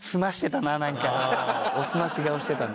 おすまし顔してたな。